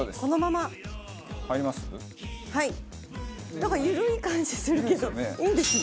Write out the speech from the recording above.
なんか緩い感じするけどいいんですね？